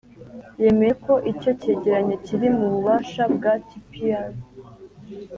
yemeye ko icyo cyegeranyo kiri mu bubasha bwa tpir,